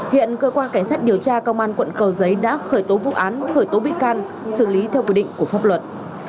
hiện cơ quan cảnh sát điều tra công an quận cầu giấy đã khởi tố vụ án khởi tố bị can xử lý theo quy định của pháp luật